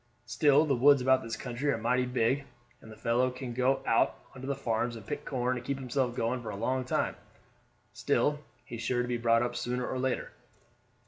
Still the woods about this country are mighty big, and the fellow can go out on to the farms and pick corn and keep himself going for a long time. Still, he's sure to be brought up sooner or later."